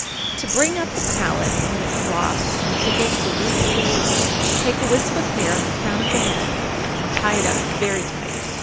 To bring up the palate when it drops and tickles the root of the tongue, take a wisp of hair on the crown of the head and tie it up very tight.